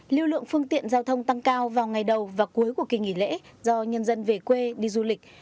lưu lượng phương tiện giao thông tăng cao vào ngày đầu và cuối của kỳ nghỉ lễ do nhân dân về quê đi du lịch